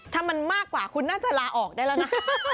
ถ้ามันมากกว่าคุณน่าจะลาออกได้แล้วนะ